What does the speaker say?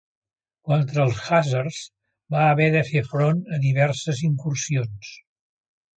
Contra els khàzars, va haver de fer front a diverses incursions.